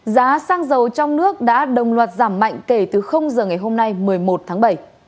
giá xăng dầu trong nước đã đồng loạt giảm mạnh kể từ giờ ngày hôm nay một mươi một tháng bảy